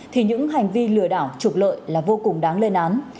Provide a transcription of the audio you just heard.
thì những hành vi lừa đảo trục lợi là vô cùng đáng lên án